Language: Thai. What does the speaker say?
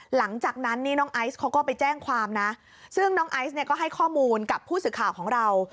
หลังจากนั้นนี่น้องไอซ์เขาก็ไปแจ้งความนะซึ่งน้องไอซ์เนี่ยก็ให้ข้อมูลกับผู้สื่อข่าวของเรา